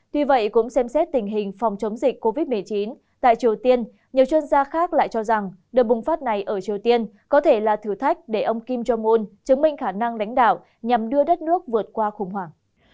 tuy vậy cũng xem xét tình hình phòng chống dịch covid một mươi chín tại triều tiên nhiều chuyên gia khác lại cho rằng đợt bùng phát này ở triều tiên có thể là thử thách để ông kim jong un chứng minh khả năng đánh đảo nhằm đưa đất nước vượt qua khủng hoảng